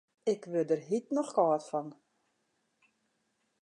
Ik wurd der hjit noch kâld fan.